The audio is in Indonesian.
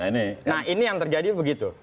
nah ini yang terjadi begitu